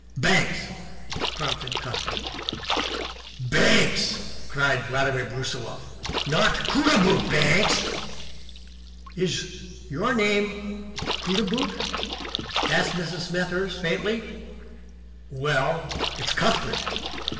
"Banks," prompted Cuthbert. "Banks!" cried Vladimir Brusiloff. "Not Cootaboot Banks?" "Is your name Cootaboot?" asked Mrs. Smethurst, faintly. "Well, it's Cuthbert."